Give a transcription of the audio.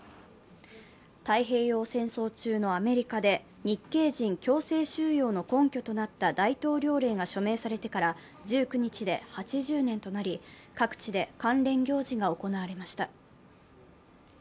太平洋戦争中のアメリカで日系人強制収容の根拠となった大統領令が署名されてから１９日で８０年となり、各地で関連行事が行われました。